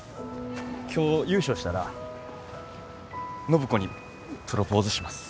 今日優勝したら暢子にプロポーズします。